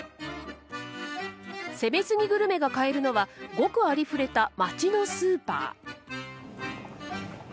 攻めすぎグルメが買えるのはごくありふれた町のスーパー。